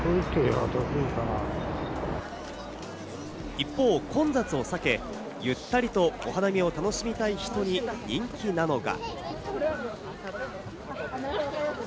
一方、混雑を避け、ゆったりとお花見を楽しみたい人に人気なのが。